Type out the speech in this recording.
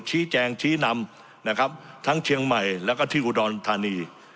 ชี้แจงชี้นำนะครับทั้งเชียงใหม่แล้วก็ที่อุดรธานี